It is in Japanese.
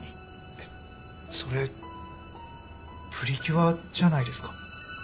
えっそれ『プリキュア』じゃないですか？